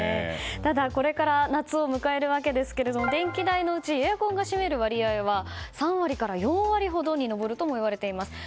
ただ、これから夏を迎えるわけですけど電気代のうちエアコンが占める割合は３割から４割ほどに上るともいわれています。